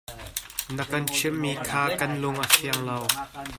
Na kan chimhmi kha kan lung a fiang lo.